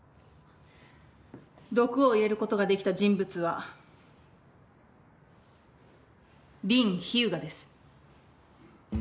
毒を入れることができた人物は林秘羽我です。